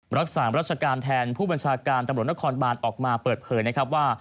รักษารัชการแทนผู้บัญชาการตำรวจนครบานออกมาเปิดเผยนะครับว่า